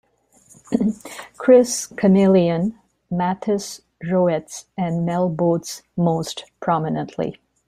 Chris Chameleon, Mathys Roets and Mel Botes most prominently.